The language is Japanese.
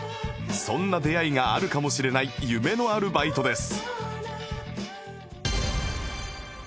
そんな出会いがあるかもしれない夢のあるバイトです